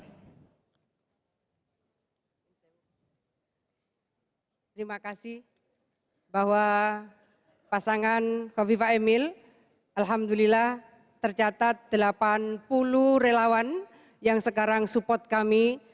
terima kasih bahwa pasangan kofifa emil alhamdulillah tercatat delapan puluh relawan yang sekarang support kami